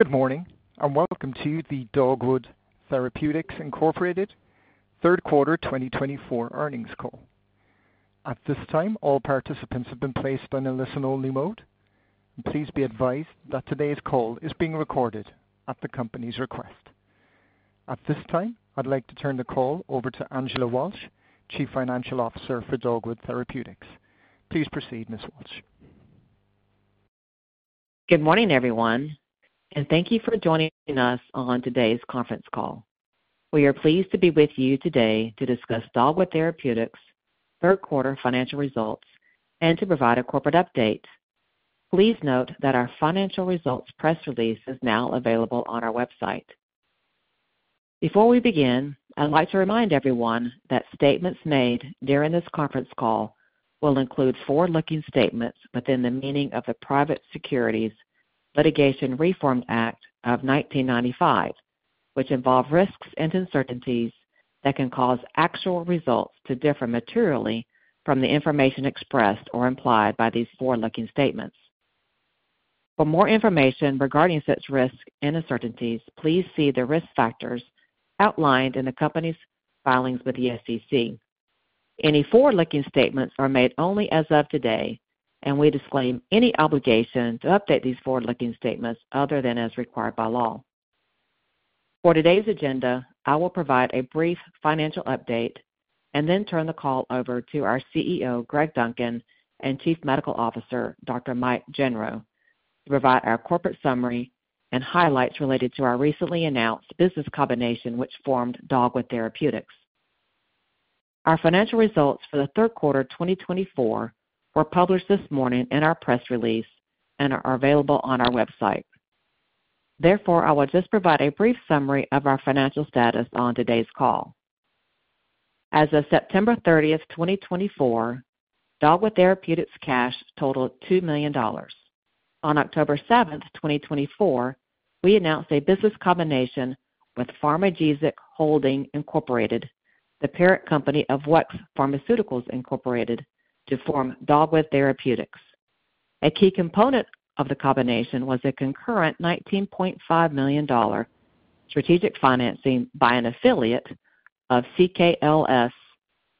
Good morning and welcome to the Dogwood Therapeutics Incorporated third quarter 2024 earnings call. At this time, all participants have been placed on a listen-only mode, and please be advised that today's call is being recorded at the company's request. At this time, I'd like to turn the call over to Angela Walsh, Chief Financial Officer for Dogwood Therapeutics. Please proceed, Ms. Walsh. Good morning, everyone, and thank you for joining us on today's conference call. We are pleased to be with you today to discuss Dogwood Therapeutics' third quarter financial results and to provide a corporate update. Please note that our financial results press release is now available on our website. Before we begin, I'd like to remind everyone that statements made during this conference call will include forward-looking statements within the meaning of the Private Securities Litigation Reform Act of 1995, which involve risks and uncertainties that can cause actual results to differ materially from the information expressed or implied by these forward-looking statements. For more information regarding such risks and uncertainties, please see the risk factors outlined in the company's filings with the SEC. Any forward-looking statements are made only as of today, and we disclaim any obligation to update these forward-looking statements other than as required by law. For today's agenda, I will provide a brief financial update and then turn the call over to our CEO, Greg Duncan, and Chief Medical Officer, Dr. Mike Gendreau, to provide our corporate summary and highlights related to our recently announced business combination which formed Dogwood Therapeutics. Our financial results for the third quarter 2024 were published this morning in our press release and are available on our website. Therefore, I will just provide a brief summary of our financial status on today's call. As of September 30th, 2024, Dogwood Therapeutics cash totaled $2 million. On October 7th, 2024, we announced a business combination with Pharmagesic Holdings Incorporated, the parent company of WEX Pharmaceuticals Incorporated, to form Dogwood Therapeutics. A key component of the combination was a concurrent $19.5 million strategic financing by an affiliate of CKLS,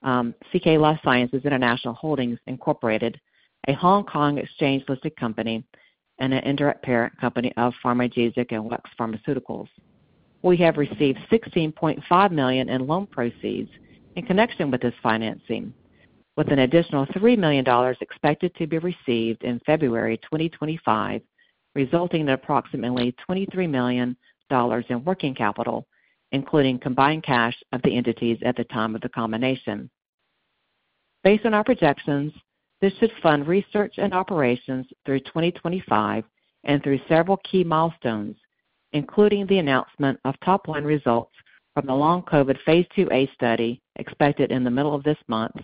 CK Life Sciences International Holdings Incorporated, a Hong Kong exchange-listed company, and an indirect parent company of Pharmagesic and WEX Pharmaceuticals. We have received $16.5 million in loan proceeds in connection with this financing, with an additional $3 million expected to be received in February 2025, resulting in approximately $23 million in working capital, including combined cash of the entities at the time of the combination. Based on our projections, this should fund research and operations through 2025 and through several key milestones, including the announcement of top-line results from the Long COVID phase II-A study expected in the middle of this month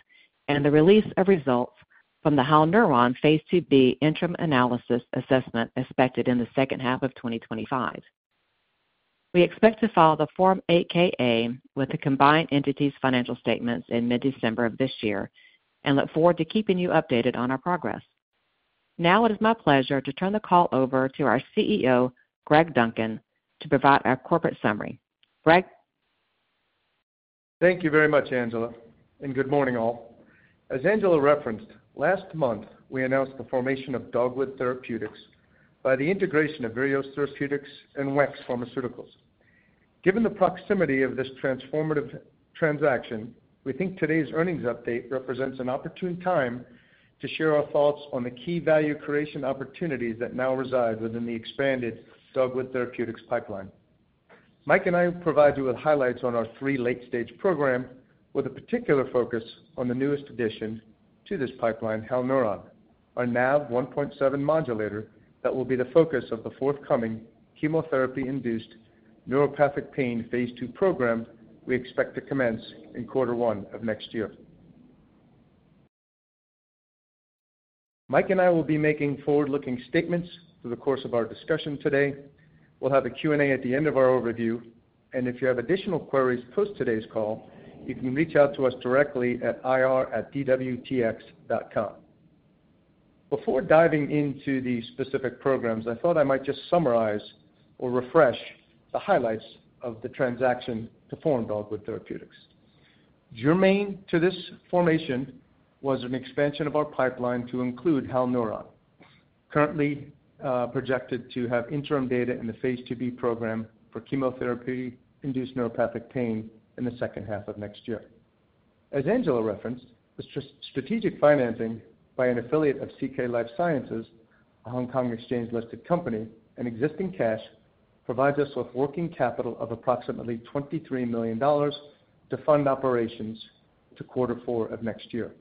and the release of results from the Halneuron phase II-B interim analysis assessment expected in the second half of 2025. We expect to file the Form 8-K/A with the combined entities' financial statements in mid-December of this year and look forward to keeping you updated on our progress. Now, it is my pleasure to turn the call over to our CEO, Greg Duncan, to provide our corporate summary. Greg. Thank you very much, Angela, and good morning, all. As Angela referenced, last month we announced the formation of Dogwood Therapeutics by the integration of Virios Therapeutics and WEX Pharmaceuticals. Given the proximity of this transformative transaction, we think today's earnings update represents an opportune time to share our thoughts on the key value creation opportunities that now reside within the expanded Dogwood Therapeutics pipeline. Mike and I will provide you with highlights on our three late-stage program, with a particular focus on the newest addition to this pipeline, Halneuron, our NaV1.7 modulator that will be the focus of the forthcoming chemotherapy-induced neuropathic pain phase II program we expect to commence in quarter one of next year. Mike and I will be making forward-looking statements through the course of our discussion today. We'll have a Q&A at the end of our overview, and if you have additional queries post today's call, you can reach out to us directly at ir@dwtx.com. Before diving into the specific programs, I thought I might just summarize or refresh the highlights of the transaction to form Dogwood Therapeutics. Germane to this formation was an expansion of our pipeline to include Halneuron, currently projected to have interim data in the phase II-B program for chemotherapy-induced neuropathic pain in the second half of next year. As Angela referenced, the strategic financing by an affiliate of CK Life Sciences, a Hong Kong exchange-listed company, and existing cash provides us with working capital of approximately $23 million to fund operations to quarter four of next year.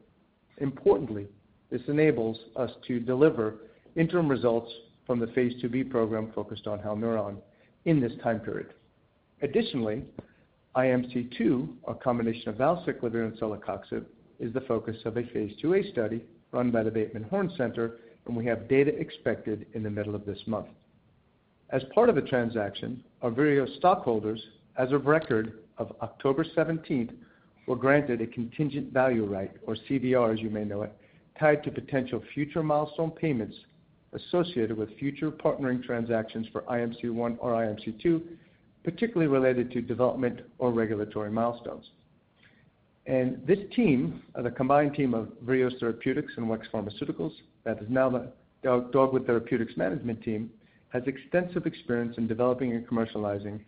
Importantly, this enables us to deliver interim results from the phase II-B program focused on Halneuron in this time period. Additionally, IMC-2, a combination of valacyclovir and celecoxib, is the focus of a phase II-A study run by the Bateman Horne Center, and we have data expected in the middle of this month. As part of the transaction, our Virios stockholders, as of record of October 17th, were granted a Contingent Value Right, or CVR, as you may know it, tied to potential future milestone payments associated with future partnering transactions for IMC-1 or IMC-2, particularly related to development or regulatory milestones. This team, the combined team of Virios Therapeutics and WEX Pharmaceuticals, that is now the Dogwood Therapeutics management team, has extensive experience in developing and commercializing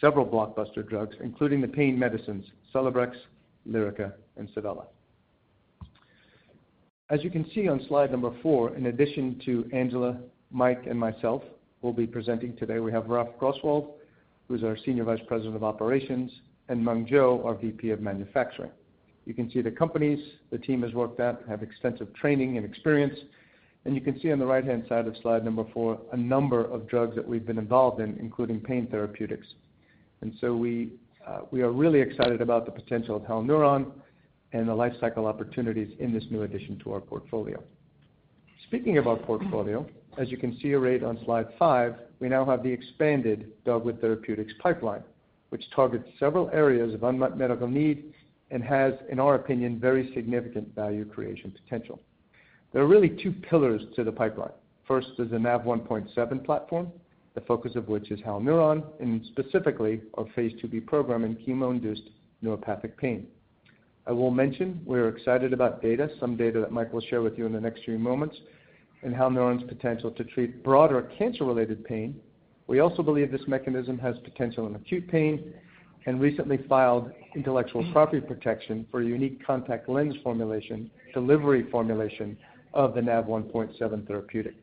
several blockbuster drugs, including the pain medicines Celebrex, Lyrica, and SAVELLA. As you can see on slide number four, in addition to Angela, Mike, and myself, we'll be presenting today. We have Ralph Grosswald, who's our Senior Vice President of Operations, and Meng Zhou, our VP of Manufacturing. You can see the companies the team has worked at have extensive training and experience, and you can see on the right-hand side of slide number four a number of drugs that we've been involved in, including pain therapeutics. And so we are really excited about the potential of Halneuron and the lifecycle opportunities in this new addition to our portfolio. Speaking of our portfolio, as you can see right on slide five, we now have the expanded Dogwood Therapeutics pipeline, which targets several areas of unmet medical need and has, in our opinion, very significant value creation potential. There are really two pillars to the pipeline. First is the NaV1.7 platform, the focus of which is Halneuron and specifically our phase 2b program in chemotherapy-induced neuropathic pain. I will mention we are excited about data, some data that Mike will share with you in the next few moments, and Halneuron's potential to treat broader cancer-related pain. We also believe this mechanism has potential in acute pain and recently filed intellectual property protection for a unique contact lens formulation, delivery formulation of the NaV1.7 therapeutic.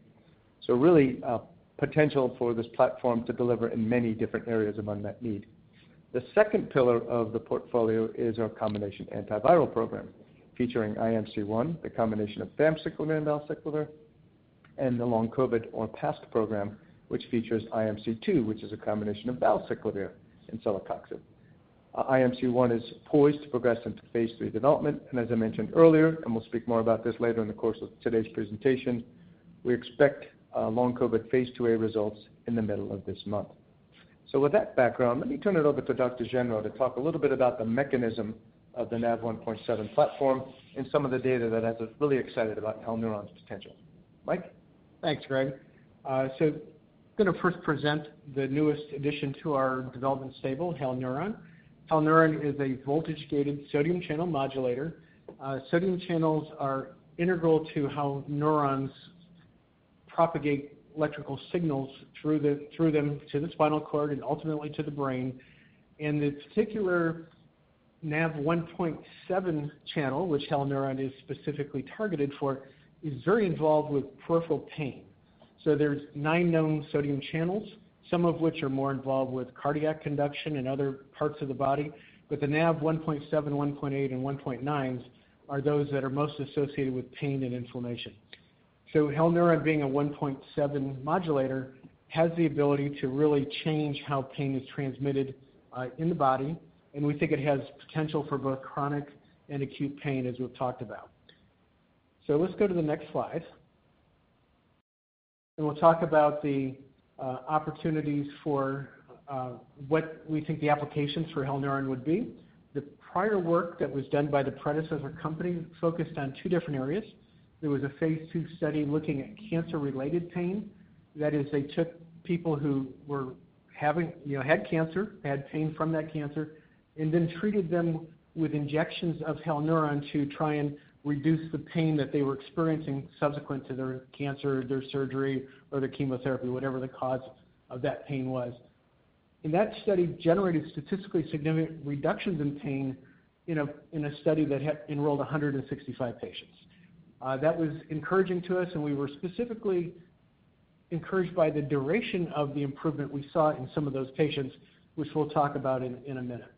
Really potential for this platform to deliver in many different areas of unmet need. The second pillar of the portfolio is our combination antiviral program featuring IMC-1, the combination of famciclovir and valacyclovir, and the Long COVID, or PASC, program, which features IMC-2, which is a combination of valacyclovir and celecoxib. IMC-1 is poised to progress into phase III development, and as I mentioned earlier, and we'll speak more about this later in the course of today's presentation, we expect Long COVID phase II-A results in the middle of this month. So with that background, let me turn it over to Dr. Gendreau to talk a little bit about the mechanism of the NaV1.7 platform and some of the data that has us really excited about Halneuron's potential. Mike. Thanks, Greg. So I'm going to first present the newest addition to our development stable, Halneuron. Halneuron is a voltage-gated sodium channel modulator. Sodium channels are integral to how neurons propagate electrical signals through them to the spinal cord and ultimately to the brain. And the particular NaV1.7 channel, which Halneuron is specifically targeted for, is very involved with peripheral pain. So there's nine known sodium channels, some of which are more involved with cardiac conduction and other parts of the body, but the NaV1.7, 1.8, and 1.9s are those that are most associated with pain and inflammation. So Halneuron, being a 1.7 modulator, has the ability to really change how pain is transmitted in the body, and we think it has potential for both chronic and acute pain, as we've talked about. So let's go to the next slide, and we'll talk about the opportunities for what we think the applications for Halneuron would be. The prior work that was done by the predecessor company focused on two different areas. There was a phase II study looking at cancer-related pain. That is, they took people who had cancer, had pain from that cancer, and then treated them with injections of Halneuron to try and reduce the pain that they were experiencing subsequent to their cancer, their surgery, or their chemotherapy, whatever the cause of that pain was. And that study generated statistically significant reductions in pain in a study that enrolled 165 patients. That was encouraging to us, and we were specifically encouraged by the duration of the improvement we saw in some of those patients, which we'll talk about in a minute.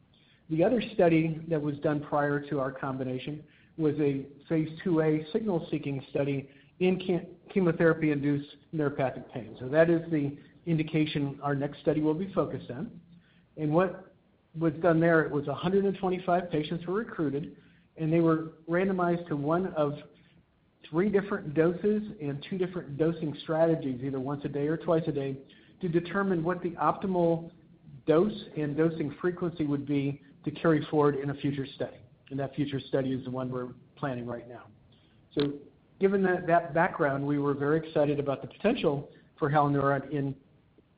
The other study that was done prior to our combination was a phase II-A signal-seeking study in chemotherapy-induced neuropathic pain, so that is the indication our next study will be focused on. What was done there was 125 patients who were recruited, and they were randomized to one of three different doses and two different dosing strategies, either once a day or twice a day, to determine what the optimal dose and dosing frequency would be to carry forward in a future study. That future study is the one we're planning right now, so given that background, we were very excited about the potential for Halneuron in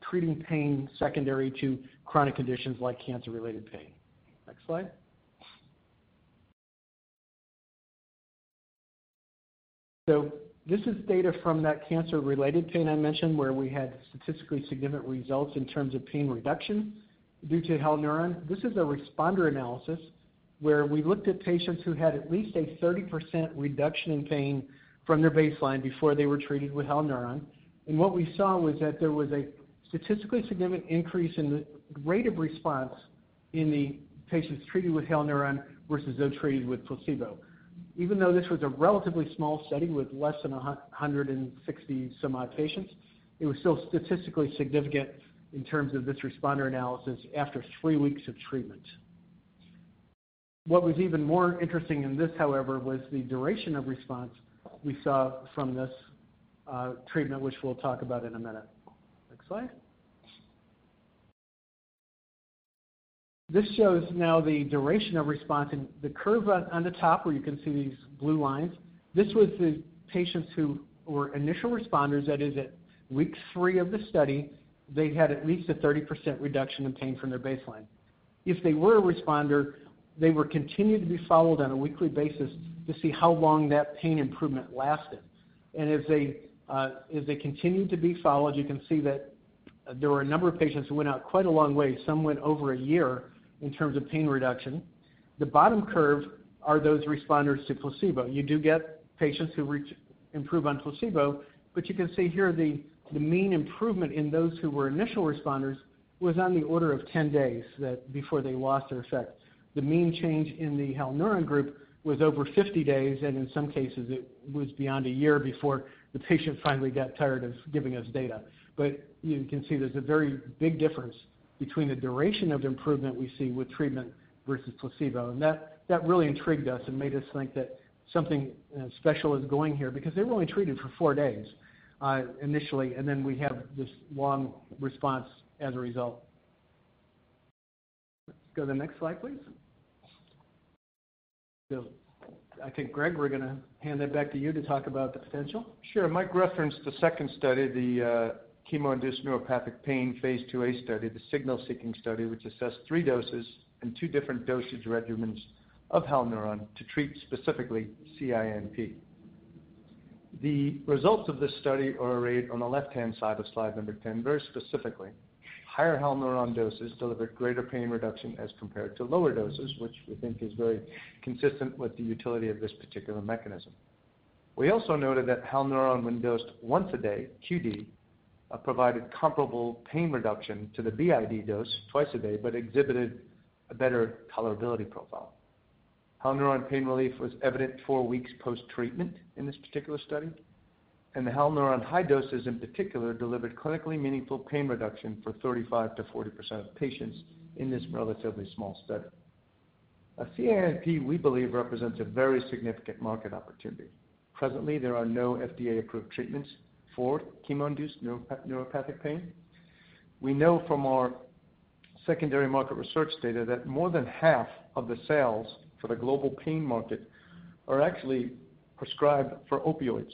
treating pain secondary to chronic conditions like cancer-related pain. Next slide. This is data from that cancer-related pain I mentioned, where we had statistically significant results in terms of pain reduction due to Halneuron. This is a responder analysis where we looked at patients who had at least a 30% reduction in pain from their baseline before they were treated with Halneuron. What we saw was that there was a statistically significant increase in the rate of response in the patients treated with Halneuron versus those treated with placebo. Even though this was a relatively small study with less than 160-some odd patients, it was still statistically significant in terms of this responder analysis after three weeks of treatment. What was even more interesting in this, however, was the duration of response we saw from this treatment, which we'll talk about in a minute. Next slide. This shows now the duration of response. The curve on the top, where you can see these blue lines, this was the patients who were initial responders. That is, at week three of the study, they had at least a 30% reduction in pain from their baseline. If they were a responder, they were continued to be followed on a weekly basis to see how long that pain improvement lasted. And as they continued to be followed, you can see that there were a number of patients who went out quite a long way. Some went over a year in terms of pain reduction. The bottom curve are those responders to placebo. You do get patients who improve on placebo, but you can see here the mean improvement in those who were initial responders was on the order of 10 days before they lost their effect. The mean change in the Halneuron group was over 50 days, and in some cases, it was beyond a year before the patient finally got tired of giving us data. But you can see there's a very big difference between the duration of improvement we see with treatment versus placebo. And that really intrigued us and made us think that something special is going here because they were only treated for four days initially, and then we have this long response as a result. Let's go to the next slide, please. So I think, Greg, we're going to hand that back to you to talk about the potential. Sure. Mike referenced the second study, the chemo-induced neuropathic pain phase II-A study, the signal-seeking study, which assessed three doses and two different dosage regimens of Halneuron to treat specifically CINP. The results of this study are right on the left-hand side of slide number 10, very specifically. Higher Halneuron doses delivered greater pain reduction as compared to lower doses, which we think is very consistent with the utility of this particular mechanism. We also noted that Halneuron, when dosed once a day, QD, provided comparable pain reduction to the BID dose twice a day, but exhibited a better tolerability profile. Halneuron pain relief was evident four weeks post-treatment in this particular study. The Halneuron high doses, in particular, delivered clinically meaningful pain reduction for 35%-40% of patients in this relatively small study. In CINP, we believe, represents a very significant market opportunity. Presently, there are no FDA-approved treatments for chemo-induced neuropathic pain. We know from our secondary market research data that more than half of the sales for the global pain market are actually prescribed for opioids.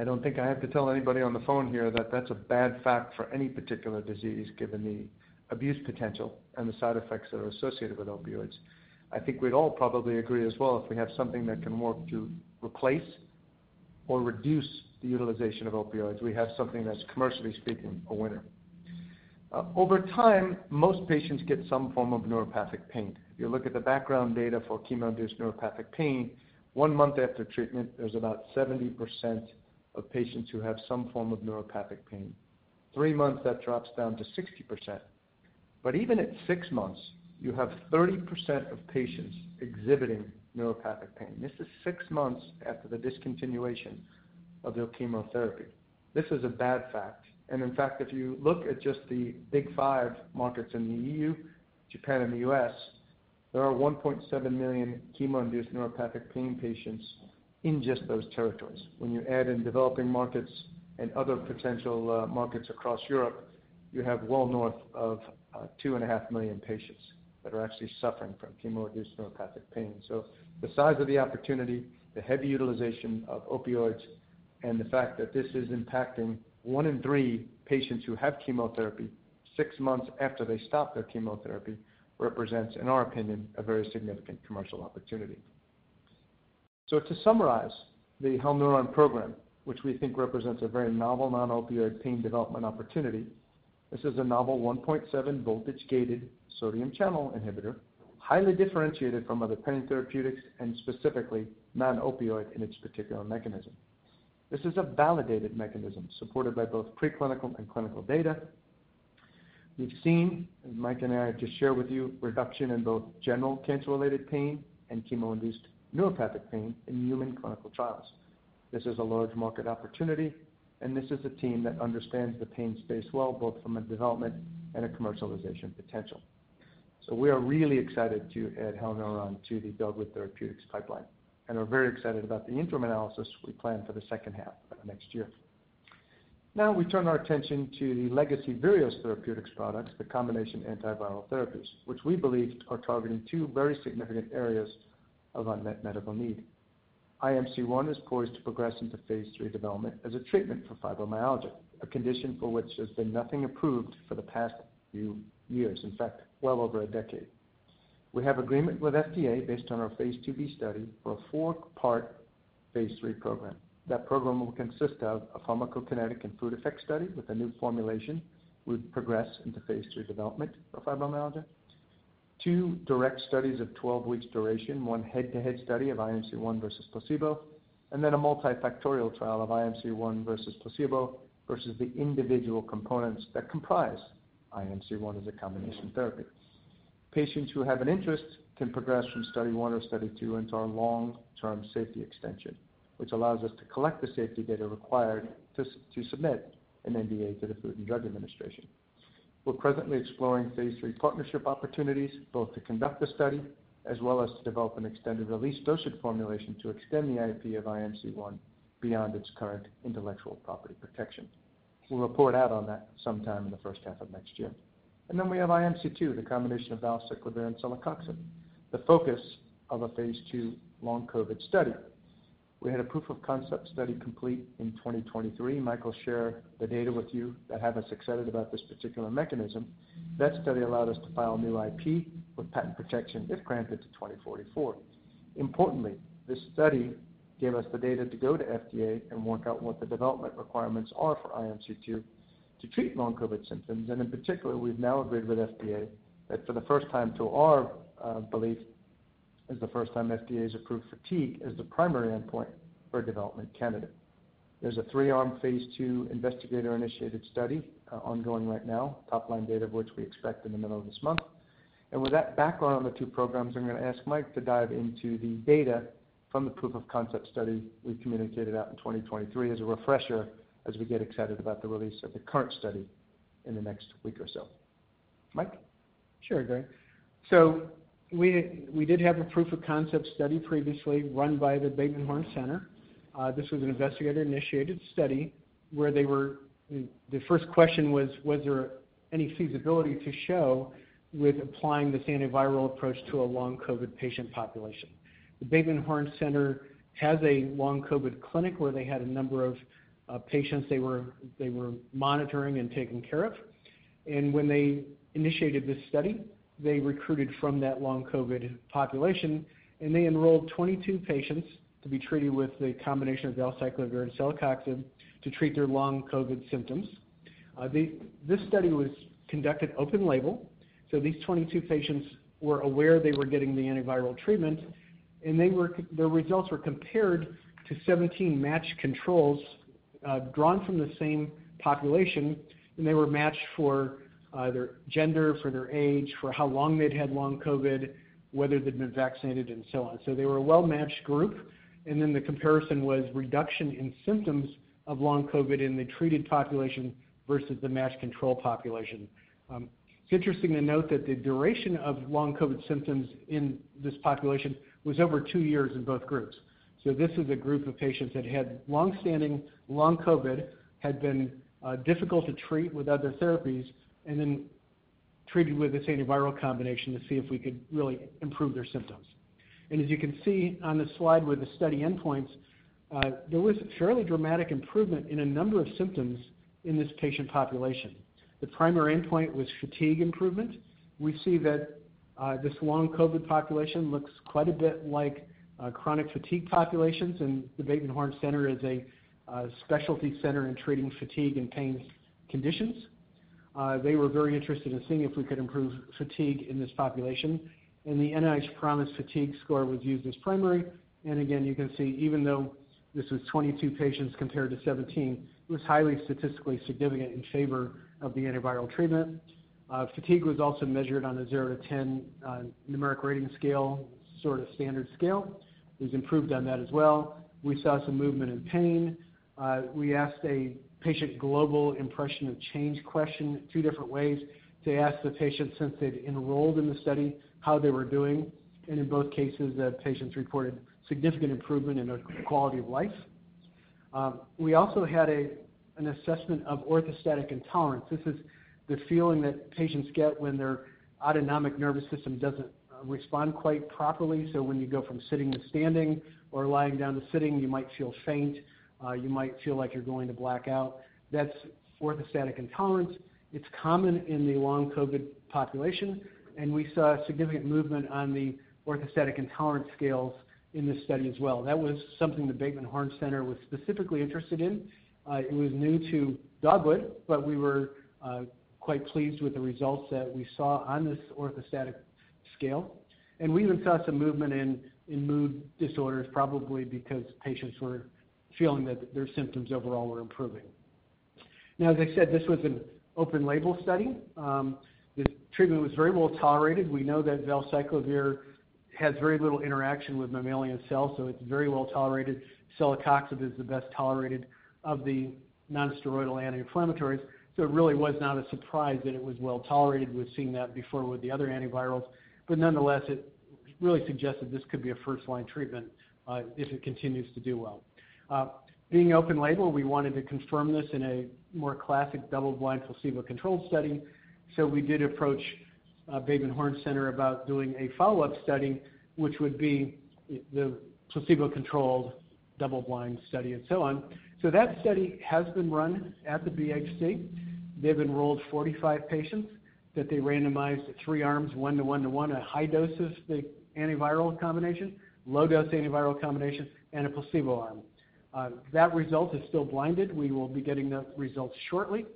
I don't think I have to tell anybody on the phone here that that's a bad fact for any particular disease, given the abuse potential and the side effects that are associated with opioids. I think we'd all probably agree as well if we have something that can work to replace or reduce the utilization of opioids, we have something that's, commercially speaking, a winner. Over time, most patients get some form of neuropathic pain. If you look at the background data for chemo-induced neuropathic pain, one month after treatment, there's about 70% of patients who have some form of neuropathic pain. Three months, that drops down to 60%. But even at six months, you have 30% of patients exhibiting neuropathic pain. This is six months after the discontinuation of their chemotherapy. This is a bad fact. In fact, if you look at just the big five markets in the EU, Japan, and the U.S., there are 1.7 million chemo-induced neuropathic pain patients in just those territories. When you add in developing markets and other potential markets across Europe, you have well north of 2.5 million patients that are actually suffering from chemo-induced neuropathic pain. The size of the opportunity, the heavy utilization of opioids, and the fact that this is impacting one in three patients who have chemotherapy six months after they stop their chemotherapy represents, in our opinion, a very significant commercial opportunity. To summarize, the Halneuron program, which we think represents a very novel non-opioid pain development opportunity, this is a novel 1.7 voltage-gated sodium channel inhibitor, highly differentiated from other pain therapeutics and specifically non-opioid in its particular mechanism. This is a validated mechanism supported by both preclinical and clinical data. We've seen, as Mike and I just shared with you, reduction in both general cancer-related pain and chemo-induced neuropathic pain in human clinical trials. This is a large market opportunity, and this is a team that understands the pain space well, both from a development and a commercialization potential. So we are really excited to add Halneuron to the Dogwood Therapeutics pipeline and are very excited about the interim analysis we plan for the second half of next year. Now we turn our attention to the legacy Virios Therapeutics products, the combination antiviral therapies, which we believe are targeting two very significant areas of unmet medical need. IMC-1 is poised to progress into phase III development as a treatment for fibromyalgia, a condition for which there's been nothing approved for the past few years, in fact, well over a decade. We have agreement with FDA based on our phase II-B study for a four-part phase III program. That program will consist of a pharmacokinetic and food effect study with a new formulation would progress into phase III development for fibromyalgia, two direct studies of 12 weeks' duration, one head-to-head study of IMC-1 versus placebo, and then a multifactorial trial of IMC-1 versus placebo versus the individual components that comprise IMC-1 as a combination therapy. Patients who have an interest can progress from study one or study two into our long-term safety extension, which allows us to collect the safety data required to submit an NDA to the Food and Drug Administration. We're presently exploring phase III partnership opportunities, both to conduct the study as well as to develop an extended-release dosage formulation to extend the IP of IMC-1 beyond its current intellectual property protection. We'll report out on that sometime in the first half of next year, and then we have IMC-2, the combination of valacyclovir and celecoxib, the focus of a phase II Long COVID study. We had a proof of concept study complete in 2023. Mike will share the data with you that have us excited about this particular mechanism. That study allowed us to file new IP with patent protection if granted to 2044. Importantly, this study gave us the data to go to FDA and work out what the development requirements are for IMC-2 to treat Long COVID symptoms. And in particular, we've now agreed with FDA that for the first time, to our belief, is the first time FDA has approved fatigue as the primary endpoint for a development candidate. There's a three-armed phase II investigator-initiated study ongoing right now, top-line data of which we expect in the middle of this month. And with that background on the two programs, I'm going to ask Mike to dive into the data from the proof of concept study we communicated out in 2023 as a refresher as we get excited about the release of the current study in the next week or so. Mike. Sure, Greg. So we did have a proof of concept study previously run by the Bateman Horne Center. This was an investigator-initiated study where the first question was, was there any feasibility to show with applying this antiviral approach to a Long COVID patient population? The Bateman Horne Center has a Long COVID clinic where they had a number of patients they were monitoring and taking care of. And when they initiated this study, they recruited from that Long COVID population, and they enrolled 22 patients to be treated with the combination of valacyclovir and celecoxib to treat their Long COVID symptoms. This study was conducted open label. So these 22 patients were aware they were getting the antiviral treatment, and their results were compared to 17 matched controls drawn from the same population. And they were matched for their gender, for their age, for how long they'd had Long COVID, whether they'd been vaccinated, and so on. So they were a well-matched group. And then the comparison was reduction in symptoms of Long COVID in the treated population versus the matched control population. It's interesting to note that the duration of Long COVID symptoms in this population was over two years in both groups. So this is a group of patients that had longstanding Long COVID, had been difficult to treat with other therapies, and then treated with this antiviral combination to see if we could really improve their symptoms. And as you can see on the slide with the study endpoints, there was fairly dramatic improvement in a number of symptoms in this patient population. The primary endpoint was fatigue improvement. We see that this Long COVID population looks quite a bit like chronic fatigue populations, and the Bateman Horne Center is a specialty center in treating fatigue and pain conditions. They were very interested in seeing if we could improve fatigue in this population, and the NIH PROMIS Fatigue score was used as primary, and again, you can see, even though this was 22 patients compared to 17, it was highly statistically significant in favor of the antiviral treatment. Fatigue was also measured on a 0-10 numeric rating scale, sort of standard scale. It was improved on that as well. We saw some movement in pain. We asked a patient global impression of change question two different ways to ask the patients since they'd enrolled in the study how they were doing, and in both cases, the patients reported significant improvement in their quality of life. We also had an assessment of orthostatic intolerance. This is the feeling that patients get when their autonomic nervous system doesn't respond quite properly. So when you go from sitting to standing or lying down to sitting, you might feel faint. You might feel like you're going to black out. That's orthostatic intolerance. It's common in the Long COVID population. And we saw significant movement on the orthostatic intolerance scales in this study as well. That was something the Bateman Horne Center was specifically interested in. It was new to Dogwood, but we were quite pleased with the results that we saw on this orthostatic scale. And we even saw some movement in mood disorders, probably because patients were feeling that their symptoms overall were improving. Now, as I said, this was an open-label study. The treatment was very well-tolerated. We know that valacyclovir has very little interaction with mammalian cells, so it's very well-tolerated. Celecoxib is the best tolerated of the nonsteroidal anti-inflammatories. So it really was not a surprise that it was well-tolerated. We've seen that before with the other antivirals. But nonetheless, it really suggested this could be a first-line treatment if it continues to do well. Being open-label, we wanted to confirm this in a more classic double-blind placebo-controlled study. So we did approach Bateman Horne Center about doing a follow-up study, which would be the placebo-controlled double-blind study and so on. So that study has been run at the BHC. They've enrolled 45 patients that they randomized three arms, one to one to one, a high dose of the antiviral combination, low dose antiviral combination, and a placebo arm. That result is still blinded. We will be getting those results shortly,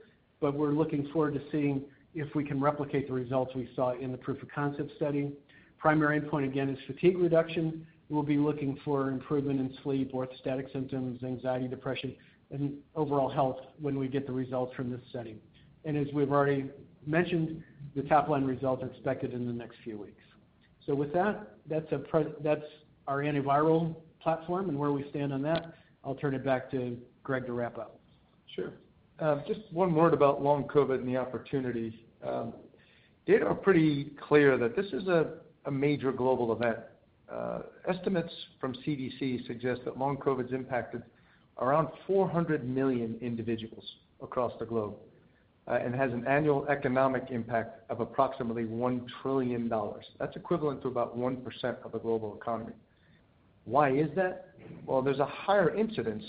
but we're looking forward to seeing if we can replicate the results we saw in the proof of concept study. Primary endpoint, again, is fatigue reduction. We'll be looking for improvement in sleep, orthostatic symptoms, anxiety, depression, and overall health when we get the results from this study, and as we've already mentioned, the top-line results are expected in the next few weeks, so with that, that's our antiviral platform and where we stand on that. I'll turn it back to Greg to wrap up. Sure. Just one word about Long COVID and the opportunity. Data are pretty clear that this is a major global event. Estimates from CDC suggest that Long COVID has impacted around 400 million individuals across the globe and has an annual economic impact of approximately $1 trillion. That's equivalent to about 1% of the global economy. Why is that? Well, there's a higher incidence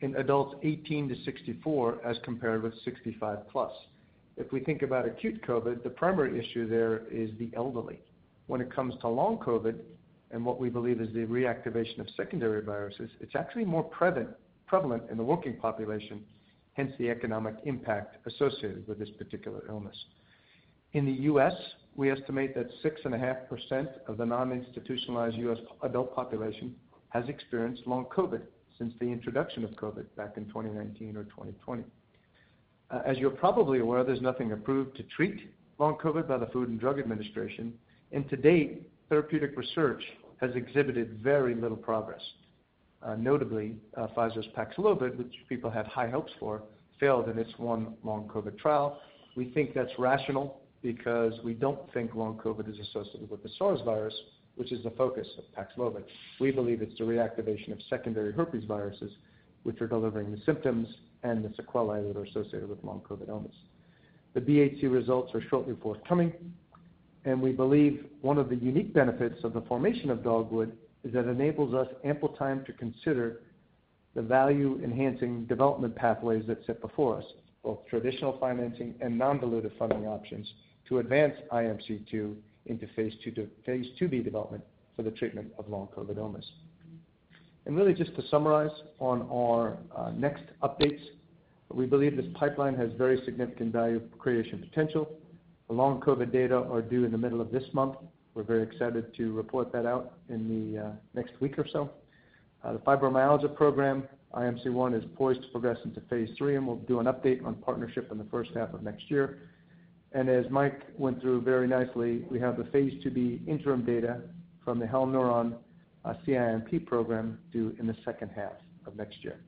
in adults 18-64 as compared with 65+. If we think about acute COVID, the primary issue there is the elderly. When it comes to Long COVID and what we believe is the reactivation of secondary viruses, it's actually more prevalent in the working population, hence the economic impact associated with this particular illness. In the U.S., we estimate that 6.5% of the non-institutionalized U.S. adult population has experienced Long COVID since the introduction of COVID back in 2019 or 2020. As you're probably aware, there's nothing approved to treat Long COVID by the Food and Drug Administration. And to date, therapeutic research has exhibited very little progress. Notably, Pfizer's PAXLOVID, which people had high hopes for, failed in its one Long COVID trial. We think that's rational because we don't think Long COVID is associated with the SARS virus, which is the focus of PAXLOVID. We believe it's the reactivation of secondary herpes viruses, which are delivering the symptoms and the sequelae that are associated with Long COVID illness. The BHC results are shortly forthcoming. And we believe one of the unique benefits of the formation of Dogwood is that it enables us ample time to consider the value-enhancing development pathways that sit before us, both traditional financing and non-dilutive funding options to advance IMC-2 into phase II-B development for the treatment of Long COVID illness. And really, just to summarize on our next updates, we believe this pipeline has very significant value creation potential. The Long COVID data are due in the middle of this month. We're very excited to report that out in the next week or so. The fibromyalgia program, IMC-1, is poised to progress into phase III, and we'll do an update on partnership in the first half of next year. And as Mike went through very nicely, we have the phase II-B interim data from the Halneuron CINP program due in the second half of next year.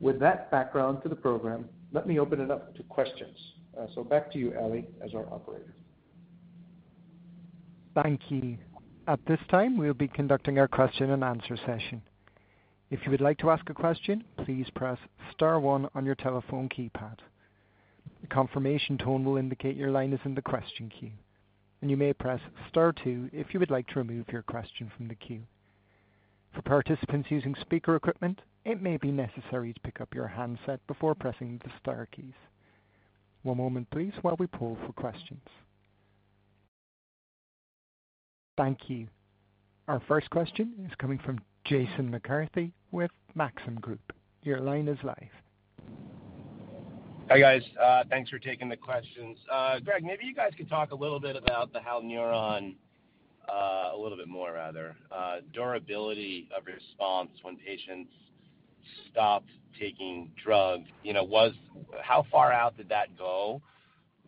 With that background to the program, let me open it up to questions. So back to you, Ali, as our operator. Thank you. At this time, we'll be conducting our question-and-answer session. If you would like to ask a question, please press star one on your telephone keypad. The confirmation tone will indicate your line is in the question queue, and you may press star two if you would like to remove your question from the queue. For participants using speaker equipment, it may be necessary to pick up your handset before pressing the star keys. One moment, please, while we pull for questions. Thank you. Our first question is coming from Jason McCarthy with Maxim Group. Your line is live. Hi, guys. Thanks for taking the questions. Greg, maybe you guys could talk a little bit about the Halneuron, a little bit more, rather, durability of response when patients stop taking drugs. How far out did that go?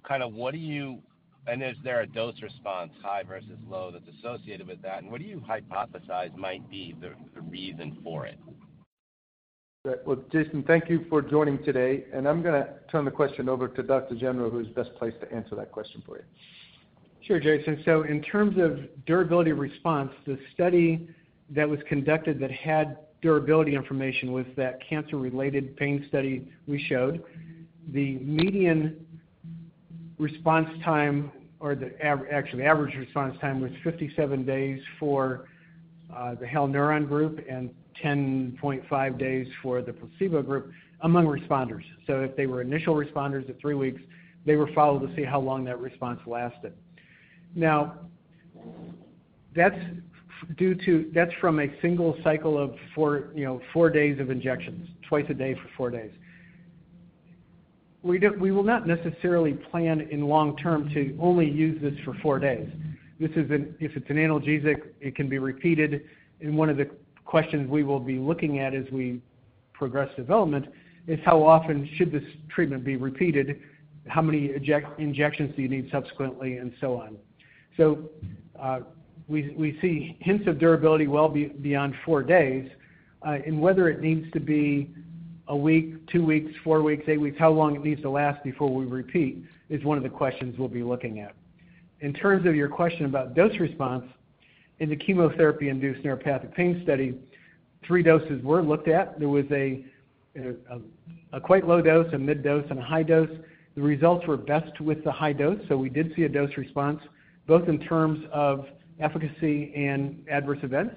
Kind of what do you—and is there a dose response, high versus low, that's associated with that? And what do you hypothesize might be the reason for it? Jason, thank you for joining today. I'm going to turn the question over to Dr. Gendreau, who's best placed to answer that question for you. Sure, Jason. So in terms of durability response, the study that was conducted that had durability information was that cancer-related pain study we showed. The median response time, or actually average response time, was 57 days for the Halneuron group and 10.5 days for the placebo group among responders. So if they were initial responders at three weeks, they were followed to see how long that response lasted. Now, that's from a single cycle of four days of injections, twice a day for four days. We will not necessarily plan in long-term to only use this for four days. If it's an analgesic, it can be repeated. And one of the questions we will be looking at as we progress development is how often should this treatment be repeated, how many injections do you need subsequently, and so on. We see hints of durability well beyond four days. Whether it needs to be a week, two weeks, four weeks, eight weeks, how long it needs to last before we repeat is one of the questions we'll be looking at. In terms of your question about dose response, in the chemotherapy-induced neuropathic pain study, three doses were looked at. There was a quite low dose, a mid dose, and a high dose. The results were best with the high dose. We did see a dose response, both in terms of efficacy and adverse events.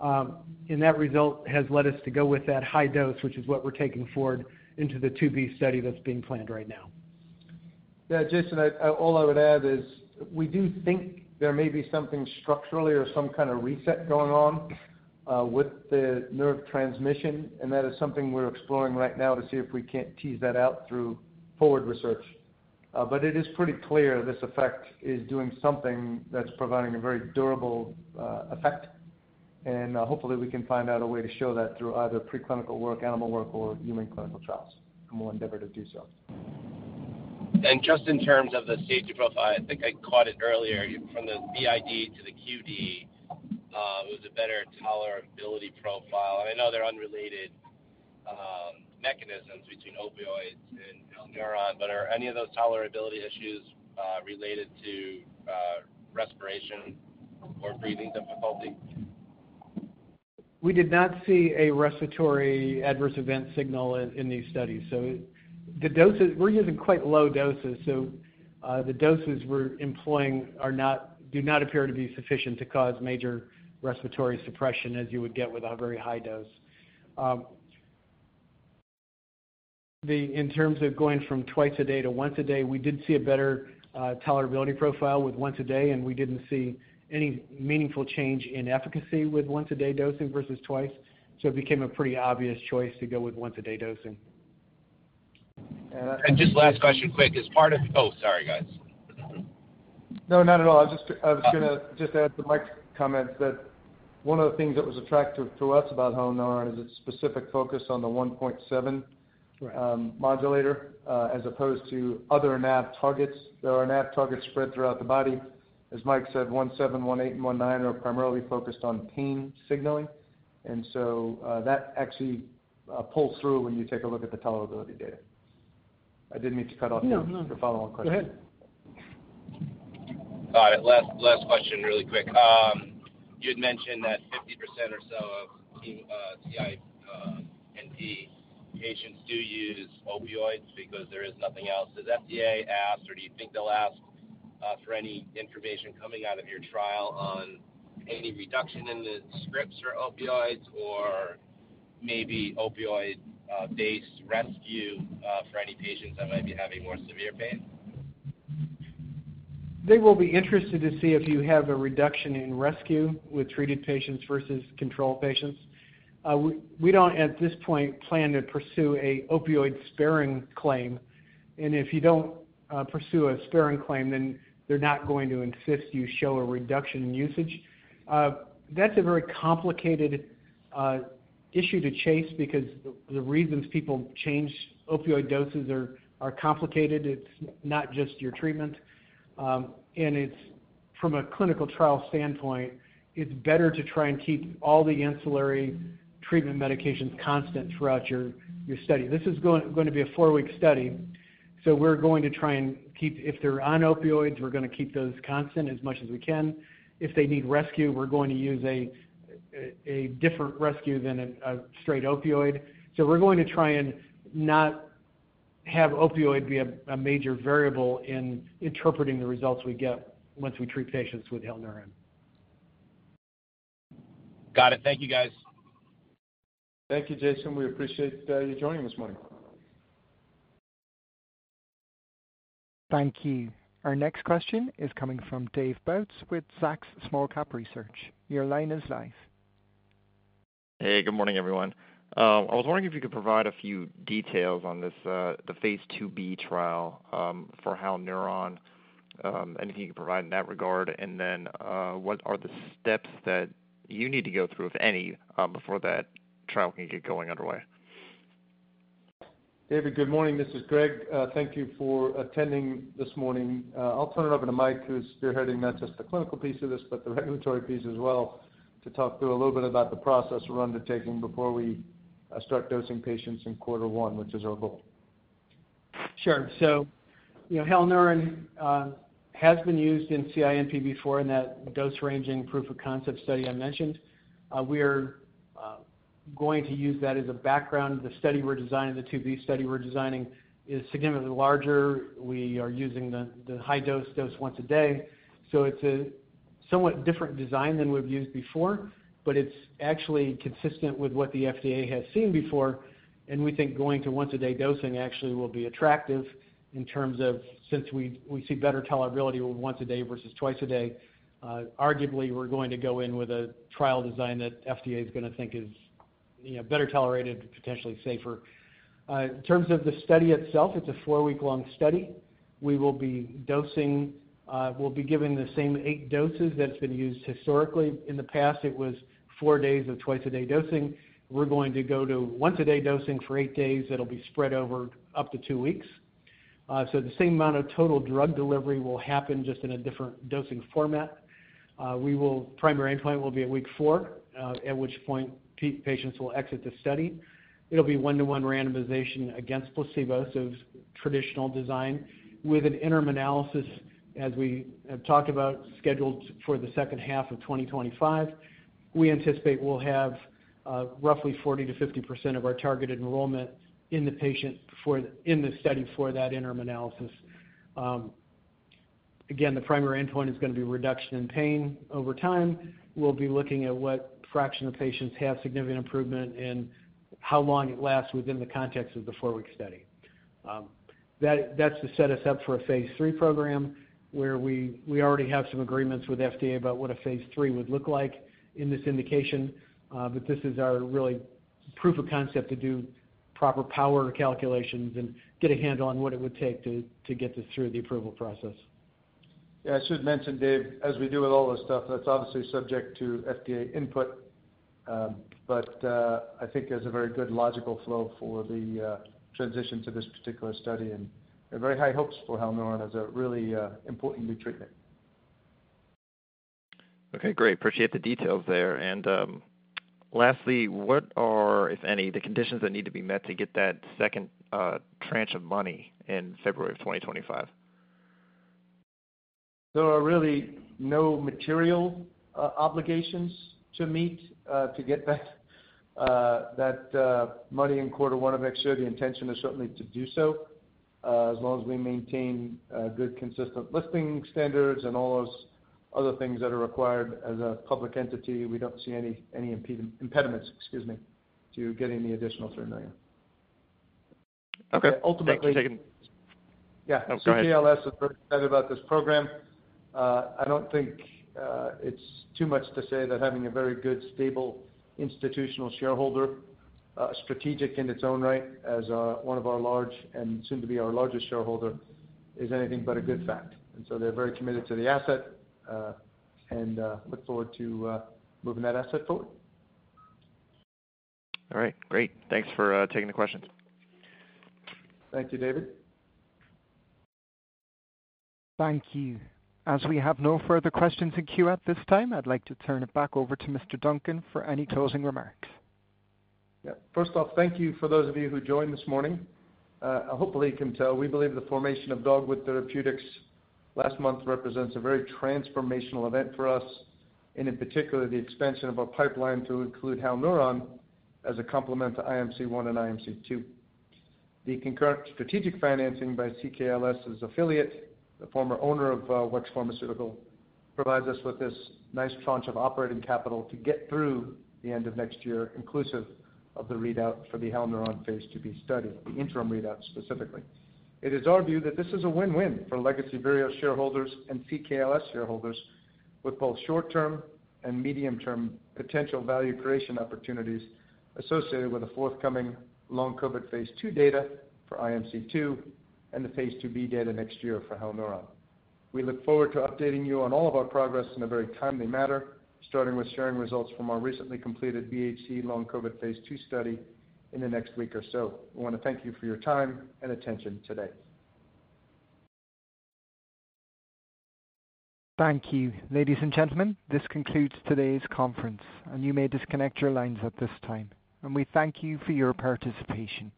That result has led us to go with that high dose, which is what we're taking forward into the II-B study that's being planned right now. Yeah, Jason, all I would add is we do think there may be something structurally or some kind of reset going on with the nerve transmission, and that is something we're exploring right now to see if we can't tease that out through further research. But it is pretty clear this effect is doing something that's providing a very durable effect, and hopefully, we can find out a way to show that through either preclinical work, animal work, or human clinical trials, and we'll endeavor to do so. Just in terms of the safety profile, I think I caught it earlier. From the BID to the QD, it was a better tolerability profile. I know there are unrelated mechanisms between opioids and Halneuron, but are any of those tolerability issues related to respiration or breathing difficulty? We did not see a respiratory adverse event signal in these studies, so we're using quite low doses, so the doses we're employing do not appear to be sufficient to cause major respiratory suppression as you would get with a very high dose. In terms of going from twice a day to once a day, we did see a better tolerability profile with once a day, and we didn't see any meaningful change in efficacy with once-a-day dosing versus twice, so it became a pretty obvious choice to go with once-a-day dosing. Just last question, quick. Oh, sorry, guys. No, not at all. I was going to just add to Mike's comments that one of the things that was attractive to us about Halneuron is its specific focus on the 1.7 modulator as opposed to other NaV targets. There are NaV targets spread throughout the body. As Mike said, 1.7, 1.8, and 1.9 are primarily focused on pain signaling. And so that actually pulls through when you take a look at the tolerability data. I didn't mean to cut off your follow-on question. No, no, no. Go ahead. Last question, really quick. You had mentioned that 50% or so of CINP patients do use opioids because there is nothing else. Does FDA ask, or do you think they'll ask for any information coming out of your trial on any reduction in the scripts for opioids or maybe opioid-based rescue for any patients that might be having more severe pain? They will be interested to see if you have a reduction in rescue with treated patients versus controlled patients. We don't, at this point, plan to pursue an opioid-sparing claim, and if you don't pursue a sparing claim, then they're not going to insist you show a reduction in usage. That's a very complicated issue to chase because the reasons people change opioid doses are complicated. It's not just your treatment, and from a clinical trial standpoint, it's better to try and keep all the ancillary treatment medications constant throughout your study. This is going to be a four-week study, so we're going to try and keep, if they're on opioids, we're going to keep those constant as much as we can. If they need rescue, we're going to use a different rescue than a straight opioid. We're going to try and not have opioid be a major variable in interpreting the results we get once we treat patients with Halneuron. Got it. Thank you, guys. Thank you, Jason. We appreciate you joining this morning. Thank you. Our next question is coming from David Bautz with Zacks Small Cap Research. Your line is live. Hey, good morning, everyone. I was wondering if you could provide a few details on the phase II-B trial for Halneuron, anything you can provide in that regard, and then what are the steps that you need to go through, if any, before that trial can get going underway? David, good morning. This is Greg. Thank you for attending this morning. I'll turn it over to Mike, who's spearheading not just the clinical piece of this, but the regulatory piece as well, to talk through a little bit about the process we're undertaking before we start dosing patients in quarter one, which is our goal. Sure, so Halneuron has been used in CINP before in that dose-ranging proof of concept study I mentioned. We are going to use that as a background. The study we're designing, the II-B study we're designing, is significantly larger. We are using the high-dose dose once a day. So it's a somewhat different design than we've used before, but it's actually consistent with what the FDA has seen before, and we think going to once-a-day dosing actually will be attractive in terms of, since we see better tolerability with once a day versus twice a day, arguably, we're going to go in with a trial design that FDA is going to think is better tolerated, potentially safer. In terms of the study itself, it's a four-week-long study. We will be dosing. We'll be given the same eight doses that have been used historically. In the past, it was four days of twice-a-day dosing. We're going to go to once-a-day dosing for eight days. It'll be spread over up to two weeks. So the same amount of total drug delivery will happen just in a different dosing format. Primary endpoint will be at week four, at which point patients will exit the study. It'll be one-to-one randomization against placebo, so traditional design, with an interim analysis, as we have talked about, scheduled for the second half of 2025. We anticipate we'll have roughly 40%-50% of our targeted enrollment in the study for that interim analysis. Again, the primary endpoint is going to be reduction in pain over time. We'll be looking at what fraction of patients have significant improvement and how long it lasts within the context of the four-week study. That's to set us up for a phase III program, where we already have some agreements with FDA about what a phase III would look like in this indication. But this is our really proof of concept to do proper power calculations and get a handle on what it would take to get this through the approval process. Yeah, I should mention, Dave, as we do with all this stuff, that's obviously subject to FDA input, but I think there's a very good logical flow for the transition to this particular study, and we have very high hopes for Halneuron as a really important new treatment. Okay, great. Appreciate the details there. And lastly, what are, if any, the conditions that need to be met to get that second tranche of money in February of 2025? There are really no material obligations to meet to get that money in quarter one. I'm sure the intention is certainly to do so. As long as we maintain good, consistent listing standards and all those other things that are required as a public entity, we don't see any impediments to getting the additional $3 million. Okay. Ultimately. Thank you. Yeah. Oh, go ahead. CKLS is very excited about this program. I don't think it's too much to say that having a very good, stable institutional shareholder, strategic in its own right, as one of our large and soon to be our largest shareholder, is anything but a good fact, and so they're very committed to the asset and look forward to moving that asset forward. All right. Great. Thanks for taking the questions. Thank you, David. Thank you. As we have no further questions in queue at this time, I'd like to turn it back over to Mr. Duncan for any closing remarks. Yeah. First off, thank you for those of you who joined this morning. Hopefully, you can tell, we believe the formation of Dogwood Therapeutics last month represents a very transformational event for us, and in particular, the expansion of our pipeline to include Halneuron as a complement to IMC-1 and IMC-2. The concurrent strategic financing by CKLS's affiliate, the former owner of WEX Pharmaceuticals, provides us with this nice tranche of operating capital to get through the end of next year, inclusive of the readout for the Halneuron phase II-B study, the interim readout specifically. It is our view that this is a win-win for legacy Virios shareholders and CKLS shareholders, with both short-term and medium-term potential value creation opportunities associated with the forthcoming Long COVID phase II data for IMC-2 and the phase II-B data next year for Halneuron. We look forward to updating you on all of our progress in a very timely manner, starting with sharing results from our recently completed BHC Long COVID phase II study in the next week or so. We want to thank you for your time and attention today. Thank you. Ladies and gentlemen, this concludes today's conference, and you may disconnect your lines at this time, and we thank you for your participation.